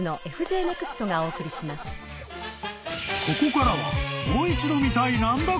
［ここからは］